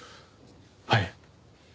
はい。